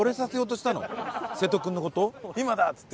「今だ！」っつって。